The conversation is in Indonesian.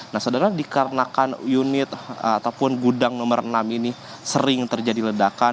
nah saudara dikarenakan unit ataupun gudang nomor enam ini sering terjadi ledakan